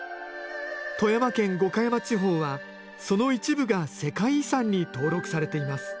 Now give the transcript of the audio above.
富山県五箇山地方はその一部が世界遺産に登録されています。